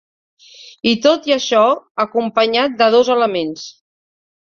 I tot això acompanyat de dos elements.